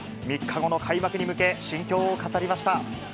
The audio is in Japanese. ３日後の開幕に向け、心境を語りました。